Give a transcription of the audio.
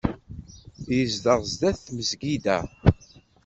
Yezdeɣ sdat tmesgida.